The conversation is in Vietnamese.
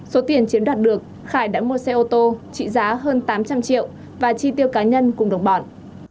số tiền chiếm đoạt được khải đã mua xe ô tô trị giá hơn tám trăm linh triệu và chi tiêu cá nhân cùng đồng bọn